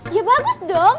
ya bagus dong